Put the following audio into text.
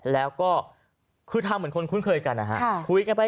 แล้วก็คือทำเหมือนคนคุ้นเคยกันนะฮะ